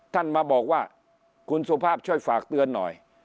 ท่านมาบอกว่าคุณสุภาพช่วยฝากเตือนหน่อย